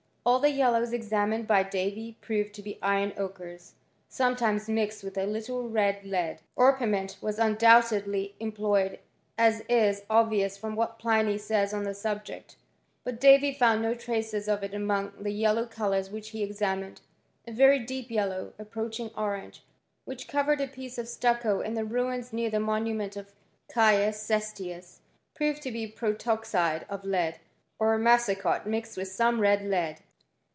All the yellows examined by Davy proved to be iron ochres, sometimes mixed with a little red lead. Orpimeat wns undoubtedly em ployed, as is obvious from what Pliny says on the subject : but Davy found no traces of it among the yellow colours which he examined. A very deep yellow, approaching orange, which covered a piece of stucco in the ruins near the monument of Caius Ces tius, proved to be protoxide of lead, or massicot, mixed with some red lead.